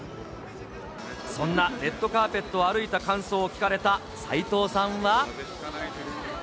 そんなレッドカーペットを歩いた感想を聞かれた斎藤さんは。